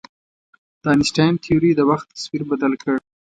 د انیشتین تیوري د وخت تصور بدل کړ.